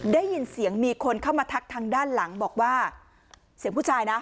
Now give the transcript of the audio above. ได้ยินเสียงมีคนเข้ามาทักทางด้านหลังบอกว่าเสียงผู้ชายนะ